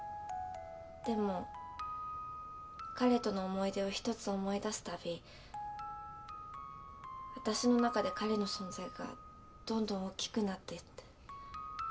でも彼との思い出を１つ思い出すたびわたしの中で彼の存在がどんどん大きくなっていって。